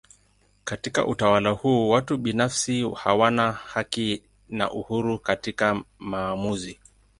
Katika utawala huu watu binafsi hawana haki na uhuru katika maamuzi.